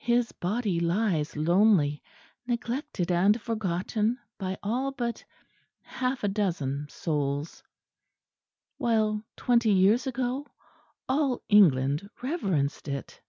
His Body lies lonely, neglected and forgotten by all but half a dozen souls; while twenty years ago all England reverenced It.